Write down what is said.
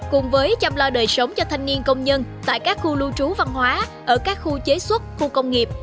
cùng với chăm lo đời sống cho thanh niên công nhân tại các khu lưu trú văn hóa ở các khu chế xuất khu công nghiệp